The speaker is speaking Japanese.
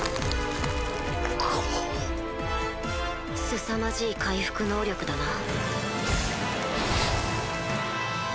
すさまじい回復能力だな。